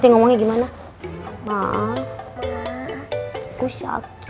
kenapa enggak paman bref berngosok ya